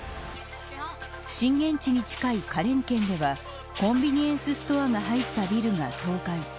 震源地に近い花蓮県ではコンビニエンスストアが入ったビルが倒壊。